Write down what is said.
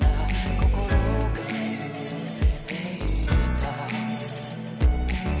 心が揺れていた」